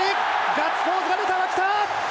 ガッツポーズが出た牧田！